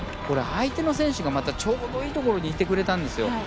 相手の選手がまたちょうどいいところにいてくれたんですよ。